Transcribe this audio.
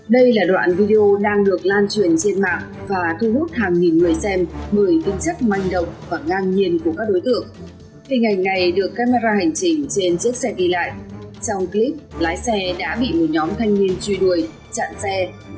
hãy đăng ký kênh để ủng hộ kênh của chúng tôi nhé